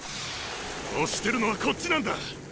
押してるのはこっちなんだ！